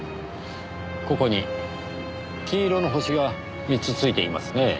ここに金色の星が３つ付いていますねぇ。